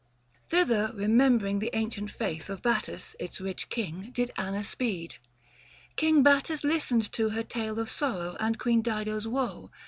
Thither, remembering 615 The ancient faith of Battus its rich king, Did Anna speed. King Battus listened to Her tale of sorrow and Queen Dido's woe ; BookIH. THE FASTI.